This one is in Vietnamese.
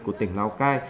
của tỉnh lào cai